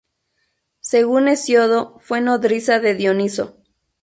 Según Hesíodo fue nodriza de Dioniso.